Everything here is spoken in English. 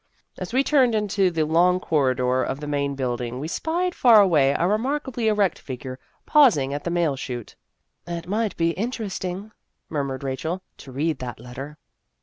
As we turned into the long corridor of the Main Building, we spied far away a remarkably erect figure pausing at the mail chute. " It might be interesting," murmured Rachel, " to read that letter."